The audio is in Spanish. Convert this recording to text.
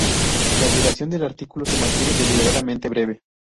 La duración del artículo se mantiene deliberadamente breve.